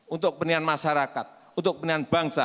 untuk kepentingan masyarakat untuk kepentingan bangsa